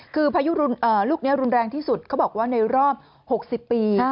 คือพายุลูกนี้รุนแรงที่สุดเขาบอกว่าในรอบ๖๐ปี